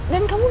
dan kamu tau